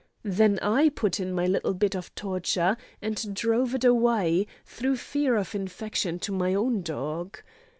Then I put in my little bit of torture, and drove it away, through fear of infection to my own dog.